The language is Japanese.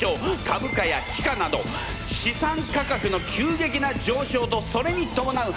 株価や地価など資産価格の急激な上昇とそれにともなう